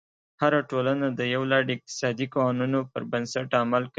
هره ټولنه د یو لړ اقتصادي قوانینو پر بنسټ عمل کوي.